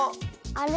あれ？